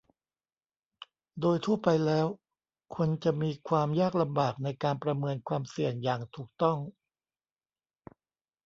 โดยทั่วไปแล้ว คนจะมีความยากลำบากในการประเมินความเสี่ยงอย่างถูกต้อง